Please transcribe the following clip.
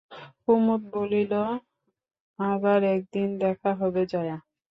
কুমুদ বলিল, আবার একদিন দেখা হবে জয়া।